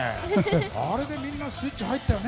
あれでみんなスイッチ入ったよね！